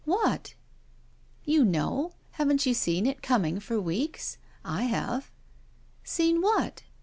"What?" "You know. Haven't you seen it coming for weeks? I have." "Seen what?"